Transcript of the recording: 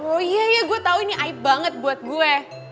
oh iya ya gue tau ini aib banget buat gue